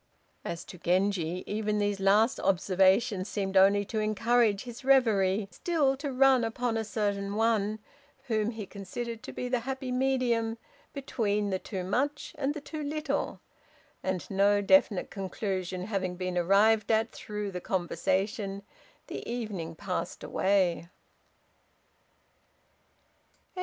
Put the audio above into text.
As to Genji, even these last observations seemed only to encourage his reverie still to run upon a certain one, whom he considered to be the happy medium between the too much and the too little; and, no definite conclusion having been arrived at through the conversation, the evening passed away.